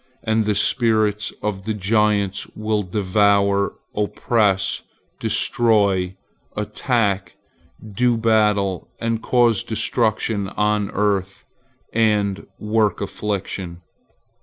And the spirits of the giants will devour, oppress, destroy, attack, do battle, and cause destruction on the earth, and work affliction.